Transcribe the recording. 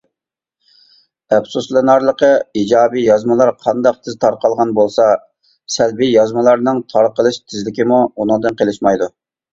ئەپسۇسلىنارلىقى، ئىجابىي يازمىلار قانداق تېز تارقالغان بولسا، سەلبىي يازمىلارنىڭ تارقىلىش تېزلىكىمۇ ئۇنىڭدىن قېلىشمايدۇ.